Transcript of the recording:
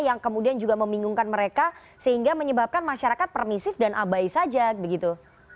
yang kemudian juga membingungkan mereka sehingga menyebabkan masyarakat permisif dan abai saja begitu